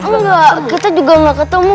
enggak kita juga nggak ketemu